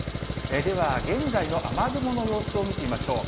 では、現在の雨雲の様子を見てみましょう。